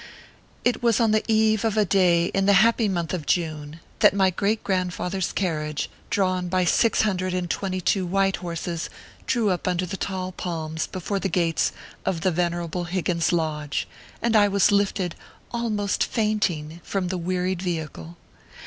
It was on the eve of a day in the happy month of June, that my great grandfather s carriage, drawn by ORPHEUS C. KERR PAPERS. 67 six hundred and twenty two white horses, drew up under the tall palm trees before the gates of the ven erable Higgins Lodge, and I was lifted almost faint ing from the wearied vehicle.